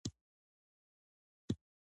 شپږم د صلاحیت او مسؤلیت اصل دی.